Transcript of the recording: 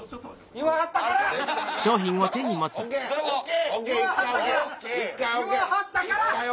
言わはったよ！